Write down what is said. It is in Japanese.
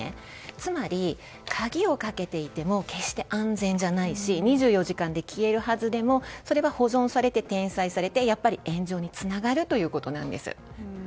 つまり、鍵をかけていても決して安全じゃないし２４時間で消えるはずでもそれは保存されて転載されて、やっぱり炎上につながるということなんです。